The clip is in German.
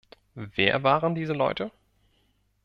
Wer waren diese Leute?